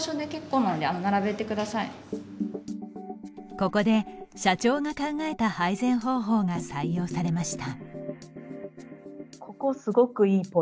ここで社長が考えた配膳方法が採用されました。